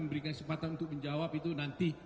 memberikan kesempatan untuk menjawab itu nanti